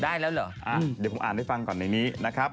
ได้แล้วเหรอเดี๋ยวผมอ่านให้ฟังก่อนในนี้นะครับ